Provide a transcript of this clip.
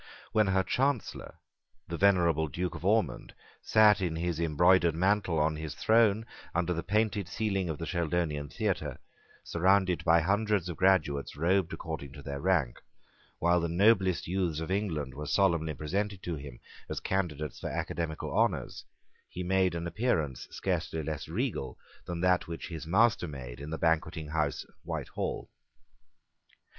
When her Chancellor, the venerable Duke of Ormond, sate in his embroidered mantle on his throne under the painted ceiling of the Sheldonian theatre, surrounded by hundreds of graduates robed according to their rank, while the noblest youths of England were solemnly presented to him as candidates for academical honours, he made an appearance scarcely less regal than that which his master made in the Banqueting House of Whitehall.